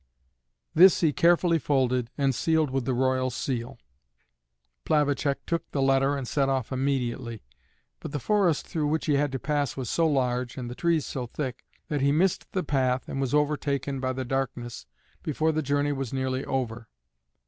This he carefully folded and sealed with the royal seal. Plavacek took the letter and set off immediately. But the forest through which he had to pass was so large, and the trees so thick, that he missed the path and was overtaken by the darkness before the journey was nearly over.